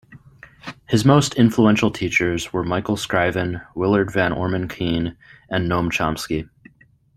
His most influential teachers were Michael Scriven, Willard Van Orman Quine, and Noam Chomsky.